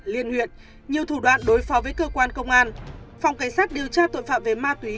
liên huyện nhiều thủ đoạn đối phó với cơ quan công an phòng cảnh sát điều tra tội phạm về ma túy